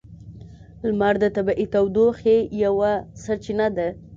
لمر د طبیعی تودوخې یوه سرچینه ده.